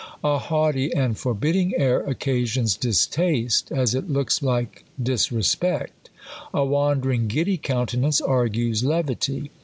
A haughty and forbidding air occasions dis taste, as it looks lik€ disrespect. A wandering, giddy countenance argues levity.